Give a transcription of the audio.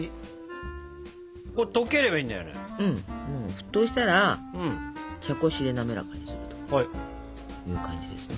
沸騰したら茶こしで滑らかにするという感じですね。